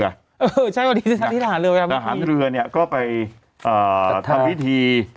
เออใช่สถานเรือสถานเรือเนี่ยก็ไปเอ่อทำวิธี